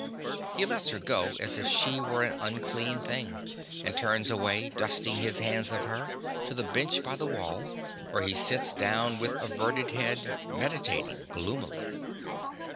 (_He lets her go as if she were an unclean thing, and turns away, dusting his hands of her, to the bench by the wall, where he sits down with averted head, meditating gloomily.